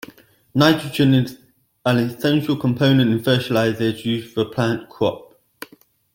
Nitrogen is an essential component in fertilizers used for plant crops.